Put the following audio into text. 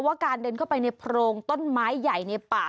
การเดินเข้าไปในโพรงต้นไม้ใหญ่ในป่า